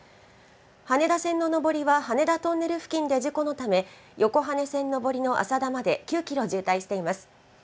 羽田線の上りは、羽田トンネル付近で事故のため、横羽線上りのあさだまで９キロ渋滞しています。